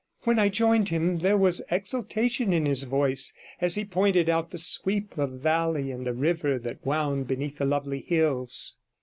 When I joined him there was exultation in his voice as he pointed out the sweep of valley and the river that wound beneath the lovely hills.